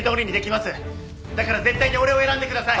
だから絶対に俺を選んでください！